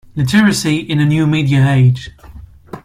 Literacy in the new media age.